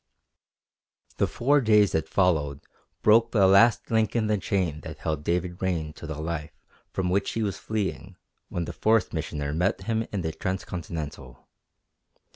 The four days that followed broke the last link in the chain that held David Raine to the life from which he was fleeing when the forest Missioner met him in the Transcontinental.